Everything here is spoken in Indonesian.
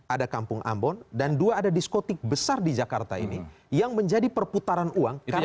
ada kampung ambon dan dua ada diskotik besar di jakarta ini yang menjadi perputaran uang karena